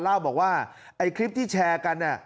เล่าบอกว่าไอ้คลิปที่แชร์กันเนี่ย